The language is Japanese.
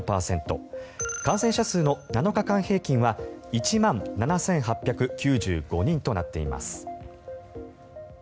感染者数の７日間平均は１万７８９５人となっています。